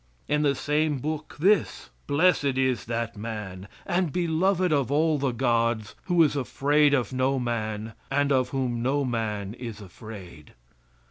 In the same book this: "Blessed is that man, and beloved of all the gods, who is afraid of no man, and of whom no man is afraid."